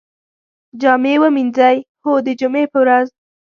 جامی ومینځئ؟ هو، د جمعې په ورځ